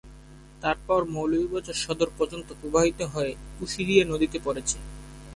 তারপর মৌলভীবাজার সদর পর্যন্ত প্রবাহিত হয়ে কুশিয়ারা নদীতে পড়েছে।